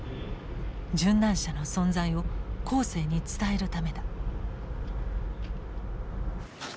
殉難者の存在を後世に伝えるためだ。